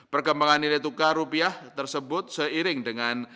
perkembangan nilai tukar rupiah tersebut seiring dengan